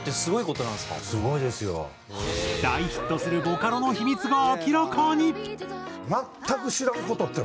大ヒットするボカロの秘密が明らかに。